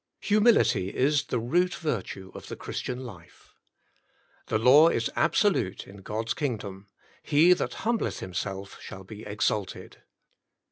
Humility is the root virtue of the Christian life. The law is absolute in God's Kingdom — "He that humbleth himself shall be exalted."